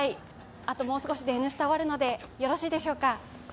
あともう少しで「Ｎスタ」終わるのでよろしいでしょうか。